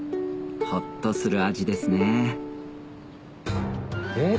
ホッとする味ですねえっ